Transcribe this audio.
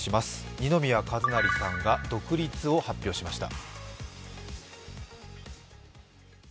二宮和也さんが独立を発表しました。